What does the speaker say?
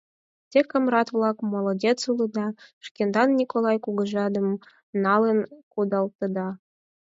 — Те, камрат-влак, молодец улыда: шкендан Николай кугыжадам налын кудалтенда.